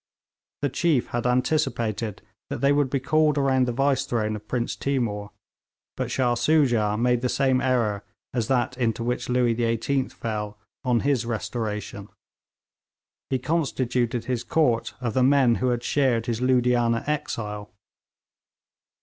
The chiefs had anticipated that they would be called around the vice throne of Prince Timour; but Shah Soojah made the same error as that into which Louis XVIII. fell on his restoration. He constituted his Court of the men who had shared his Loodianah exile.